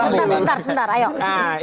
sebentar sebentar sebentar ayo